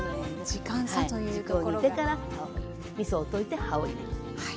軸を煮てからみそを溶いて葉を入れる。